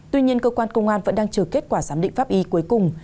tuy nhiên cơ quan công an vẫn đang chờ kết quả giám định pháp y cuối cùng